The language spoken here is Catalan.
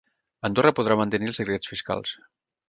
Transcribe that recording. Andorra podrà mantenir els secrets fiscals